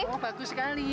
oh bagus sekali